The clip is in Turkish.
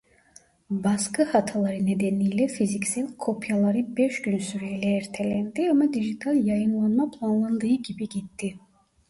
Baskı hataları nedeniyle fiziksel kopyaları beş gün süreyle ertelendi ama dijital yayınlanma planlandığı gibi gitti.